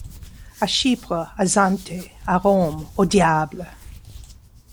A Chypre, à Zante, à Rome, au diable ;